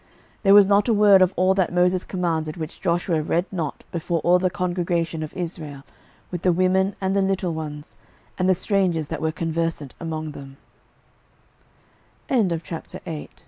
06:008:035 There was not a word of all that Moses commanded, which Joshua read not before all the congregation of Israel, with the women, and the little ones, and the strangers that were conver